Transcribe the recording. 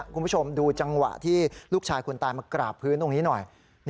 คุณผู้ชมดูจังหวะที่ลูกชายคนตายมากราบพื้นตรงนี้หน่อย